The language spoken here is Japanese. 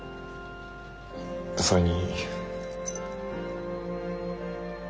それに。